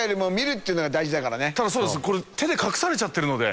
ただそうですね手で隠されちゃってるので。